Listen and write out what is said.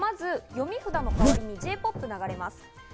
まず読み札の代わりにＪ−ＰＯＰが流れます。